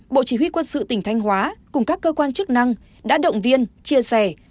bộ chỉ huy quân sự tỉnh thanh hóa cùng các cơ quan chức năng đã động viên chia sẻ